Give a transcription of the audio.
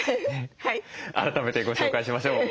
改めてご紹介しましょう。